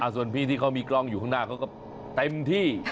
ส่วนพี่ที่เขามีกล้องอยู่ข้างหน้าเขาก็เต็มที่